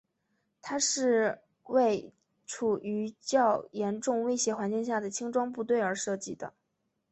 它是为处于较严重威胁环境下的轻装部队而设计的。